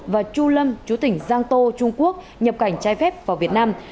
và chu lâm chú tỉnh giang tô trung quốc nhập cảnh trái phép vào việt nam